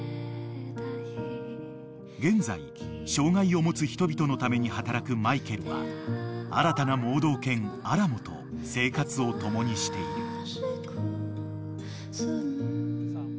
［現在障害を持つ人々のために働くマイケルは新たな盲導犬アラモと生活を共にしている］